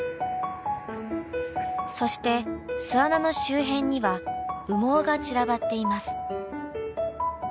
そして巣穴の周辺には羽毛が散らばっています。